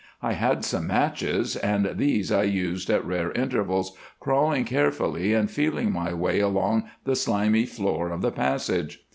I had some matches, and these I used at rare intervals, crawling carefully and feeling my way along the slimy floor of the passage.